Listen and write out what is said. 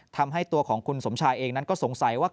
ทำให้ตัวของคุณสมชายเองนั้นก็สงสัยว่า